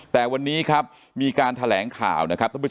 แต่วันนี้มีการแถลงข่าว